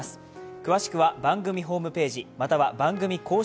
詳しくは番組ホームページ、または番組公式